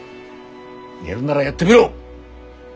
やるならやってみろ。